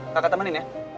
kakak temenin ya